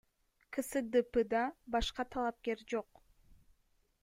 КСДПда башка талапкер жок.